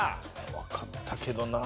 わかったけどな。